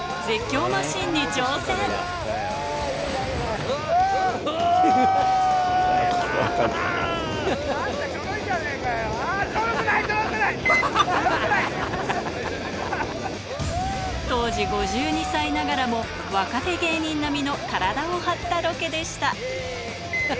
ちょろくない、ちょろくな当時５２歳ながらも、若手芸人並みの体を張ったロケでした。